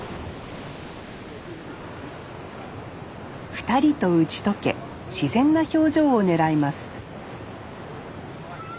２人と打ち解け自然な表情をねらいます。